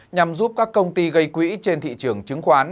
nhằm giúp các công ty gây quỹ trên thị trường chứng khoán